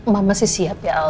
mama masih siap ya al